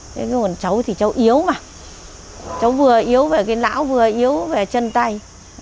thế còn cháu thì cháu yếu mà cháu vừa yếu về cái não vừa yếu về chân tay